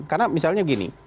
karena misalnya begini